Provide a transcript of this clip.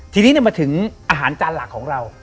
ทีนี้มาถึงอาหารจานหลักของเรา